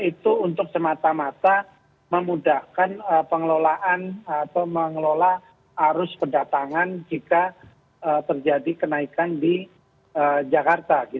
itu untuk semata mata memudahkan pengelolaan atau mengelola arus kedatangan jika terjadi kenaikan di jakarta